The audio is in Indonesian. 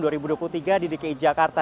di dki jakarta